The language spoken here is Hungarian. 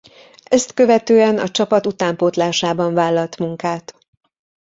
Ezt követően a csapat utánpótlásában vállalt munkát.